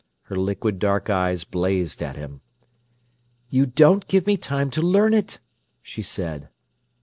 Her liquid dark eyes blazed at him. "You don't give me time to learn it," she said.